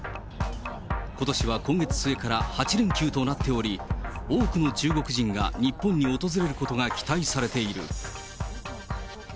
ことしは今月末から８連休となっており、多くの中国人が日本に訪れることが期待されている。